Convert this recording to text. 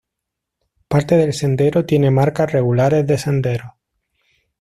Parte del sendero tiene marcas regulares de senderos.